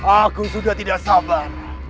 aku sudah tidak sabar